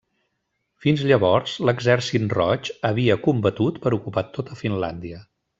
Fins llavors, l'Exèrcit Roig havia combatut per ocupar tota Finlàndia.